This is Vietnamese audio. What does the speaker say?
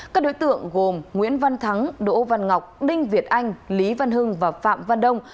các đối tượng gồm nguyễn văn thắng đỗ văn ngọc đinh việt anh lý văn hưng và phạm văn đông